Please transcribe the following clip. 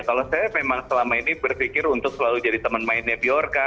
kalau saya memang selama ini berpikir untuk selalu jadi teman mainnya biorka